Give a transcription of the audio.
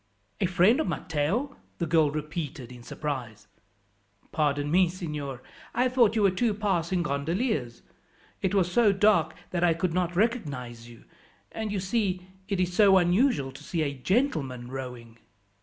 "A friend of Matteo!" the girl repeated in surprise. "Pardon me, signor, I thought you were two passing gondoliers. It was so dark that I could not recognize you; and, you see, it is so unusual to see a gentleman rowing."